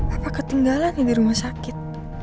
apa ketinggalan di rumah sakit